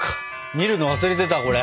見るの忘れてたこれ。